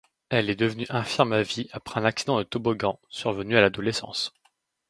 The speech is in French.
Elle est devenue infirme à vie après un accident de toboggan, survenu à l'adolescence.